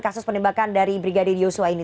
kasus penembakan dari brigadir yosua ini